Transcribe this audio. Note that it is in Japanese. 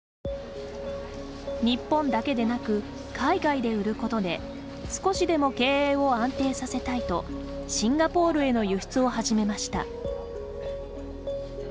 日本だけでなく海外で売ることで少しでも経営を安定させたいとシンガポールへの輸出を始めました。